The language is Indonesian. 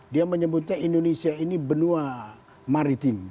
dia menyebutnya indonesia ini benua maritim